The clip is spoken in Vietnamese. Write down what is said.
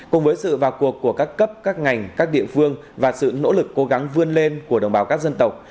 cùng với sự vào cuộc của các cấp các ngành các địa phương và sự nỗ lực cố gắng vươn lên của đồng bào các dân tộc